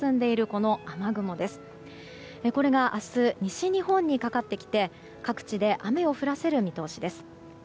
これが明日西日本にかかってきて各地で雨を降らせる見通しです。